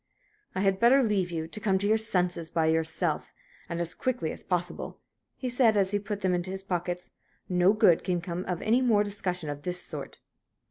"I had better leave you to come to your senses by yourself, and as quickly as possible," he said, as he put them into his pockets. "No good can come of any more discussion of this sort."